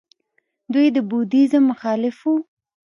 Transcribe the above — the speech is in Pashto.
دوی د بودیزم مخالف وو